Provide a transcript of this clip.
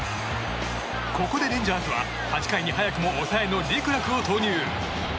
ここでレンジャーズは８回に早くも抑えのリクラクを投入。